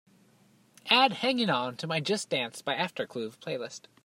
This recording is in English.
Add Hanging On to my just dance by aftercluv playlist.